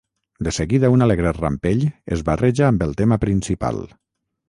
De seguida un alegre rampell es barreja amb el tema principal.